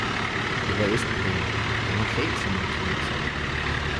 Det var østenvinden, han var klædt som en kineser